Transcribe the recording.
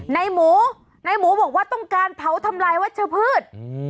นายหมูนายหมูบอกว่าต้องการเผาทำลายวัชเตอร์พืชอืม